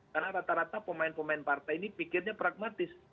karena rata rata pemain pemain partai ini pikirnya pragmatis